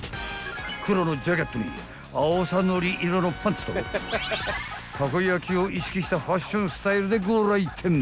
［黒のジャケットにあおさ海苔色のパンツとたこ焼を意識したファッションスタイルでご来店］